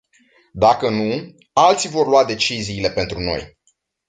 Dacă nu, alții vor lua deciziile pentru noi.